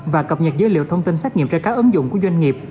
và cập nhật dữ liệu thông tin xét nghiệm trên các ứng dụng của doanh nghiệp